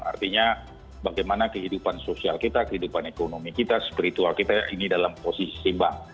artinya bagaimana kehidupan sosial kita kehidupan ekonomi kita spiritual kita ini dalam posisi seimbang